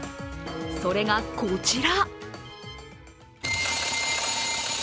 それがこちら。